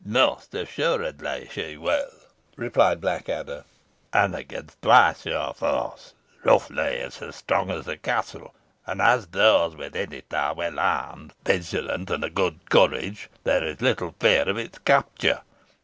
"Most assuredly she will," replied Blackadder, "and against twice your force. Rough Lee is as strong as a castle; and as those within it are well armed, vigilant, and of good courage, there is little fear of its capture.